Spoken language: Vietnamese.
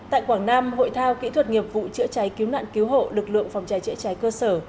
tại quảng nam hội thao kỹ thuật nghiệp vụ chữa trái cứu nạn cứu hộ lực lượng phòng trái chữa trái cơ sở